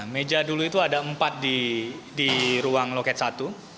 meja dulu itu ada empat di ruang loket satu